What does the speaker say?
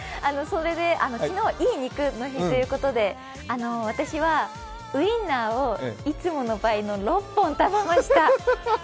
昨日はいい肉の日ということで、私はウインナーをいつもの倍の６本食べました。